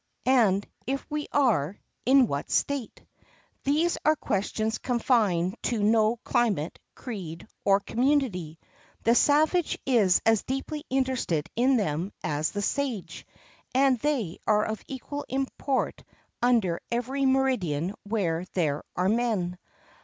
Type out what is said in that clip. and if we are, in what state? These are questions confined to no climate, creed, or community. The savage is as deeply interested in them as the sage, and they are of equal import under every meridian where there are men.